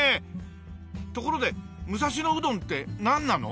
ところで武蔵野うどんってなんなの？